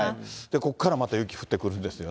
ここからまた雪降ってくるんですよね。